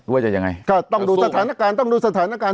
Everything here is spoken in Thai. ว่าจะยังไงก็ต้องดูสถานการณ์ต้องดูสถานการณ์